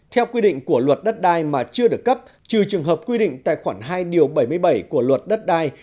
theo quy định của luật đất đai mà chưa được cấp trừ trường hợp quy định tài khoản hai điều bảy mươi bảy của luật đất đai